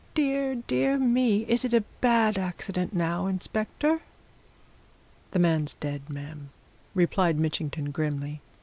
Dear, dear me! is it a bad accident, now, inspector?" "The man's dead, ma'am," replied Mitchington grimly.